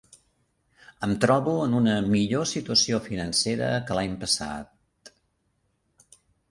Em trobo en una millor situació financera que l'any passat.